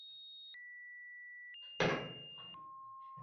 siz ushbu kreditni muammosiz olishingiz mumkin.